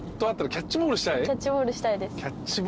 キャッチボールはしたいよな。